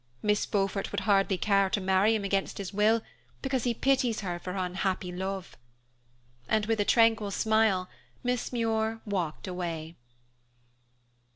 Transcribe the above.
Miss Beaufort would hardly care to marry him against his will, because he pities her for her unhappy love," and with a tranquil smile, Miss Muir walked away.